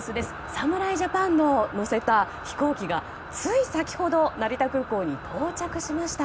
侍ジャパンを乗せた飛行機がつい先ほど、成田空港に到着しました。